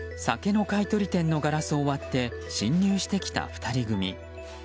酒の買い取り店のガラスを割って侵入してきた２人組。